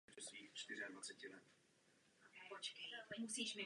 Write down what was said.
I tehdy se zde však konaly pravidelné bohoslužby.